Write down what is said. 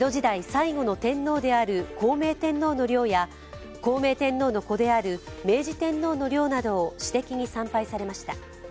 最後の天皇である孝明天皇の陵や孝明天皇の子である明治天皇の陵などを私的に参拝されました。